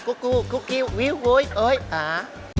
กูกูกูกิววิววุยโอ๊ยอ่า